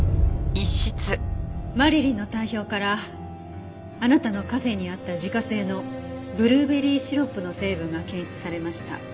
マリリンの体表からあなたのカフェにあった自家製のブルーベリーシロップの成分が検出されました。